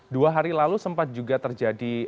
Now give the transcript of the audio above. dua hari lalu sempat juga terjadi